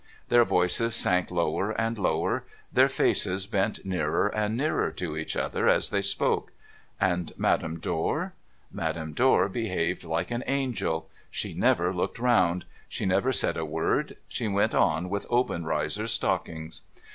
Their voices sank lower and lower ; their faces bent nearer and nearer to each other as they spoke. And Madame Dor ? Madame Dor behaved like an angel. She never looked round ; she never said a word ; she went on with Obenreizer's stockings.